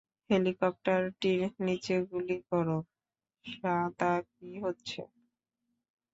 হেলিকপ্টারটির নিচে গুলি করো, - শাদা, কি হচ্ছে?